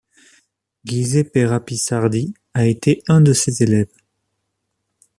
Giuseppe Rapisardi a été un de ses élèves.